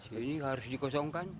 ini harus dikosongkan